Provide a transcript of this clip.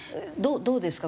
どうですか？